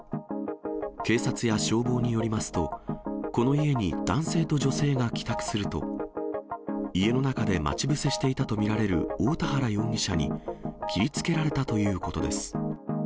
警察や消防によりますと、この家に男性と女性が帰宅すると、家の中で待ち伏せしていたと見られる大田原容疑者に切りつけられたということです。